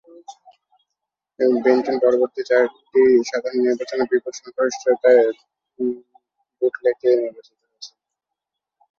Benton পরবর্তী চারটি সাধারণ নির্বাচনে বিপুল সংখ্যাগরিষ্ঠতায় বুটলেকে নির্বাচিত করেন।